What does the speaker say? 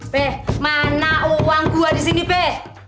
peh mana uang gua disini peh